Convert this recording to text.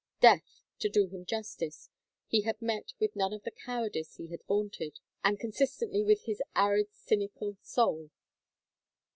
Death, to do him justice, he had met with none of the cowardice he had vaunted, and consistently with his arid cynical soul.